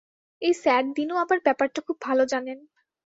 এই স্যার দিনু আপার ব্যাপারটা খুব ভালো জানেন।